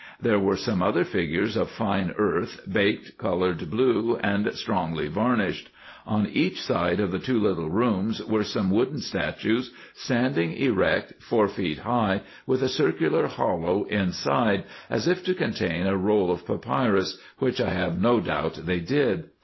There were some other figures of fine earth baked, coloured blue, and strongly varnished. On each side of the two little rooms were H II 2 236 RESEARCHES AND OPERATIONS some wooden statues standing erect, four feet high, with a circular hollow inside, as if to contain a roll of papyrus, which I have no doubt they did.